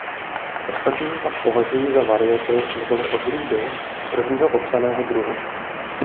Ostatní pak považují za variety neboli odrůdy prvního popsaného druhu.